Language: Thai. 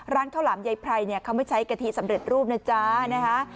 ร้านข้าวหลามยายไพรเนี่ยเขาไม่ใช้กะทิสำเร็จรูปนะจ๊ะนะคะ